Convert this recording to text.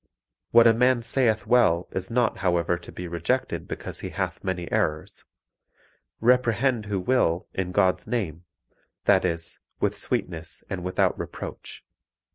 What a man saith well is not however to be rejected because he hath many errors; reprehend who will, in God's name, that is with sweetness and without reproach.